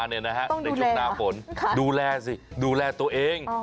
ต้องดูแลเหรอดูแลสิดูแลตัวเอง